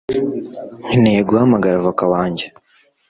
Nkeneye guhamagara avoka wanjye